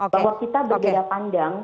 bahwa kita berbeda pandang